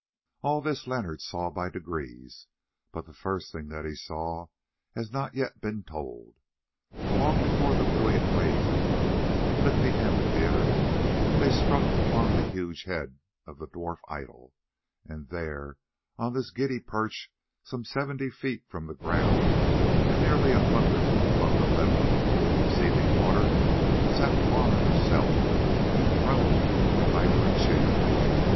All this Leonard saw by degrees, but the first thing that he saw has not yet been told. Long before the brilliant rays of the moon lit the amphitheatre they struck upon the huge head of the dwarf idol, and there, on this giddy perch, some seventy feet from the ground, and nearly a hundred above the level of the pool of seething water, sat Juanna herself, enthroned in an ivory chair.